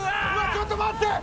ちょっと待って！